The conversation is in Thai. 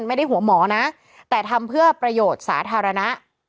ไม่ได้หัวหมอนะแต่ทำเพื่อประโยชน์สาธารณะ